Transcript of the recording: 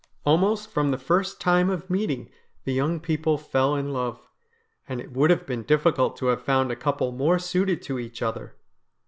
Almost from the first time of meeting the young people fell in love, and it would have been difficult to have found a couple more suited to each other.